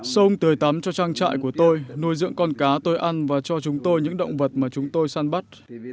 sông tưới tắm cho trang trại của tôi nuôi dưỡng con cá tôi ăn và cho chúng tôi những động vật mà chúng tôi săn bắt